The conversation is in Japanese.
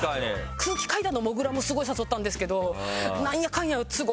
空気階段のもぐらもすごい誘ったんですけど。